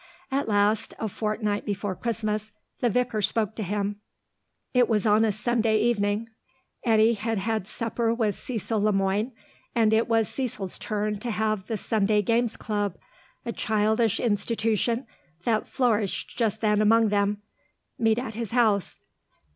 At last, a fortnight before Christmas, the vicar spoke to him. It was on a Sunday evening. Eddy had had supper with Cecil Le Moine, as it was Cecil's turn to have the Sunday Games Club, a childish institution that flourished just then among them, meet at his house.